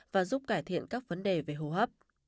và giúp cải thiện các vấn đề về hô hấp